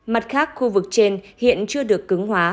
mặt khác khu vực trên hiện chưa được cứng hóa